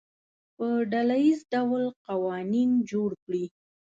په ډله ییز ډول قوانین جوړ کړي.